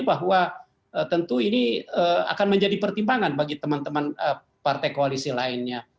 bahwa tentu ini akan menjadi pertimbangan bagi teman teman partai koalisi lainnya